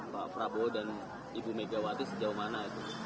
pak prabowo dan ibu megawati sejauh mana itu